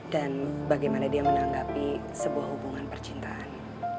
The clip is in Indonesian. dan bagaimana dia menanggapi sebuah hubungan percintaan